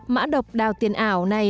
mã độc đào tiền ảo này